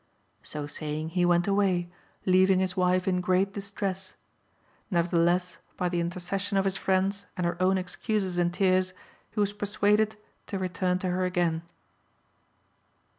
So saying he went away, leaving his wife in great distress. Nevertheless by the intercession of his friends and her own excuses and tears, he was persuaded to return to her again.